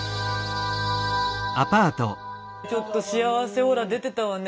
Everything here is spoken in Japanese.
ちょっと幸せオーラ出てたわね。